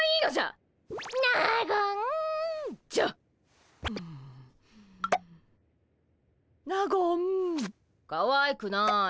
あかわいくない。